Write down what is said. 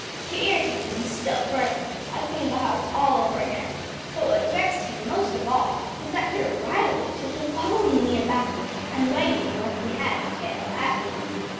To irritate him still further I cleaned the house all over again. But what vexed him most of all was that Mr. Riley took to following me about and wagging what he had of a tail at me.